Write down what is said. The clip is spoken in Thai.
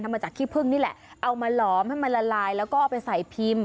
มาจากขี้พึ่งนี่แหละเอามาหลอมให้มันละลายแล้วก็เอาไปใส่พิมพ์